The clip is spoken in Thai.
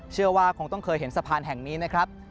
เชื่อว่าคงต้องเคยเห็นสะพานแห่งนี้นะครับ